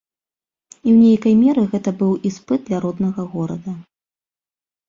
І ў нейкай меры гэта быў іспыт для роднага горада.